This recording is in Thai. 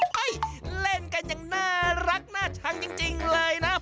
เล่นกันอย่างน่ารักน่าชังจริงเลยนะ